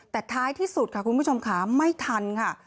แต่ท้ายที่สุดค่ะคุณผู้ชมค่ะไม่ทันค่ะ